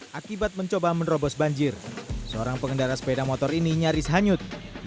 hai akibat mencoba menerobos banjir seorang pengendara sepeda motor ini nyaris hanyut di